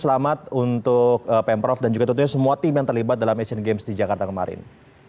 selamat untuk pemprov dan juga tentunya semua tim yang terlibat dalam asian games di jakarta kemarin